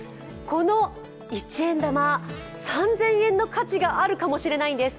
この一円玉、３０００円の価値があるかもしれないんです。